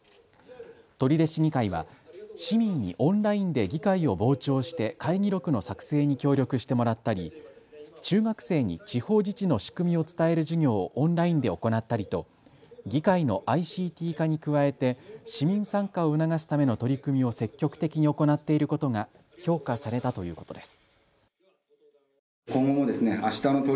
取手市議会は市民にオンラインで議会を傍聴して会議録の作成に協力してもらったり中学生に地方自治の仕組みを伝える授業をオンラインで行ったりと議会のＩＣＴ化に加えて市民参加を促すための取り組みを積極的に行っていることが評価されたということです。